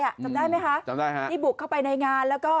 จำได้ไหมคะจำได้ฮะที่บุกเข้าไปในงานแล้วก็